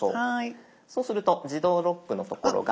そうすると「自動ロック」の所が。